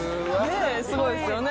すごいっすよね？